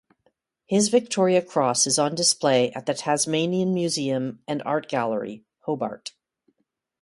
His Victoria Cross is on display at the Tasmanian Museum and Art Gallery, Hobart.